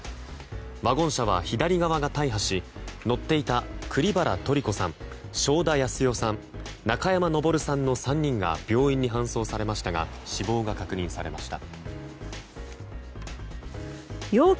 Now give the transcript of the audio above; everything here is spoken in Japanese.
ワゴン車は左側が大破し乗っていた栗原トリ子さん正田靖代さん、中山昇さんの３人が病院に搬送されましたが死亡が確認されました。